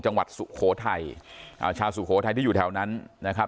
จังหวัดสุโคไทยอ่าชาวสุโคไทยที่อยู่แถวนั้นนะครับ